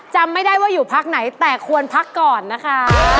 จำไม่ได้ว่าอยู่พักไหนแต่ควรพักก่อนนะคะ